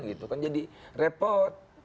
gitu kan jadi repot